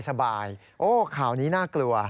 โอ้โฮข่าวนี้น่ากลัว